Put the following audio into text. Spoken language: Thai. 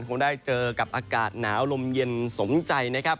คงได้เจอกับอากาศหนาวลมเย็นสมใจนะครับ